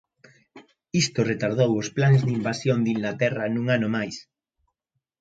Isto retardou os plans de invasión de Inglaterra un ano máis.